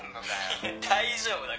いや大丈夫だから。